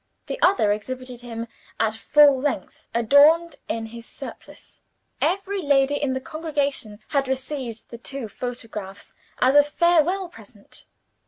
The other exhibited him at full length, adorned in his surplice. Every lady in the congregation had received the two photographs as a farewell present.